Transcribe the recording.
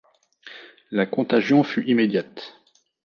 La contagion fut immédiate.